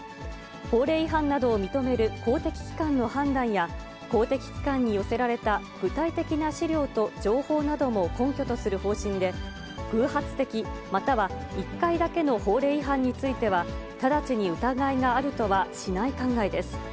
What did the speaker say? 法令違反などを認める公的機関の判断や公的機関に寄せられた具体的な資料と情報なども根拠とする方針で、偶発的または１回だけの法令違反については、直ちに疑いがあるとはしない考えです。